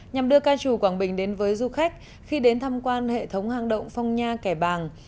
nhằm đưa ca trù quảng bình đến với du khách khi đến tham quan hệ động phong nha kẻ bàng